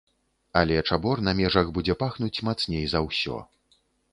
Але чабор на межах будзе пахнуць мацней за ўсё.